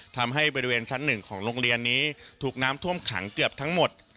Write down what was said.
ทำให้บริเวณชั้น๑ของโรงเรียนนี้ถูกน้ำท่วมขังเกือบทั้งหมด